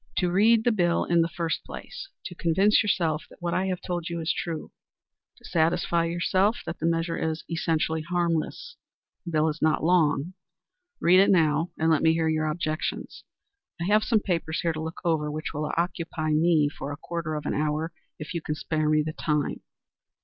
"To read the bill in the first place; to convince yourself that what I have told you is true; to satisfy yourself that the measure is essentially harmless. The bill is not long. Read it now and let me hear your objections. I have some papers here to look over which will occupy me a quarter of an hour, if you can spare me the time."